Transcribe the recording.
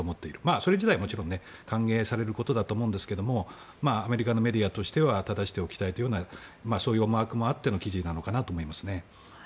それ自体はもちろん歓迎されることだと思うんですがアメリカのメディアとしてはただしておきたいというようなそういう思惑がある記事なのかなと思います。